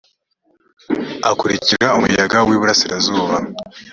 akurikira umuyaga w’iburasirazuba